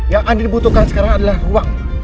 yang andin butuhkan sekarang adalah ruang